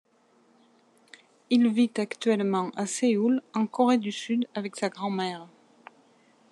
Il vit actuellement à Séoul, en Corée du Sud, avec sa grand-mère.